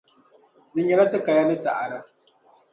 Di nyɛla ti kaya ni taada.